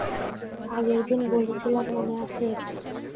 আগেরদিন বলেছিলাম, মনে আছে?